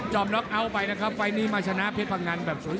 จอมน็อกอ้าวไปนะครับไฟล์ดี้มาชนะเพศพะงันแบบสวยเลย